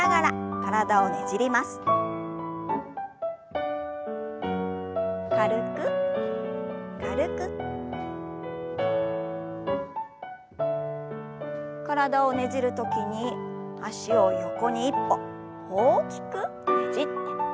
体をねじる時に脚を横に１歩大きくねじって戻します。